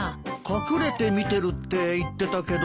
隠れて見てるって言ってたけど。